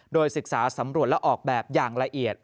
โดยศึกษาสำรวจและออกแบบอย่างละเอียด